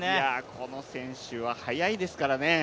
この選手は速いですからね